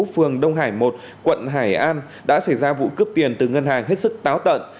phường đông hải một quận hải an đã xảy ra vụ cướp tiền từ ngân hàng hết sức táo tận